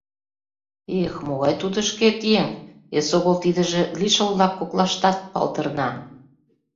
Эх, могай тудо шкет еҥ, эсогыл тидыже лишыл-влак коклаштат палдырна.